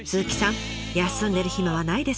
休んでる暇はないですね。